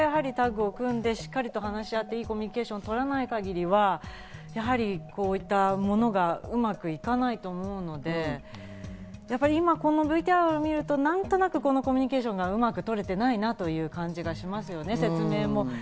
しっかり話し合っていいコミュニケーションを取らない限りはこういったものがうまくいかないと思うので、やっぱり今このＶＴＲを見ると何となくこのコミュニケーションがうまく取れていないなという感じがしますね。